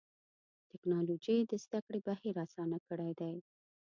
ټکنالوجي د زدهکړې بهیر آسانه کړی دی.